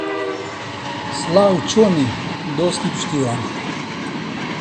سڵاو چۆنی، دۆستی پشتیوان